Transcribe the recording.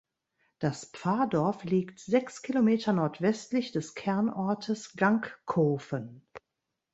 Das Pfarrdorf liegt sechs Kilometer nordwestlich des Kernortes Gangkofen.